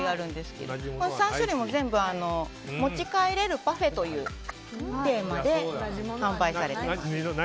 ３種類も全部持ち帰れるパフェというテーマで販売されています。